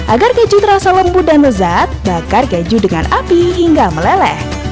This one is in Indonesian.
agar keju terasa lembut dan lezat bakar keju dengan api hingga meleleh